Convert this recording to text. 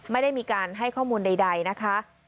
ไม่ได้มีการให้ข้อมูลใดนะคะ